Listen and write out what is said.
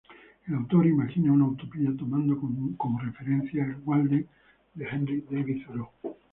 El autor imagina una utopía tomando como referencia el "Walden" de Henry David Thoreau.